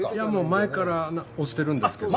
前から推してるんですけど。